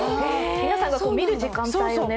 皆さんが見る時間帯を狙って？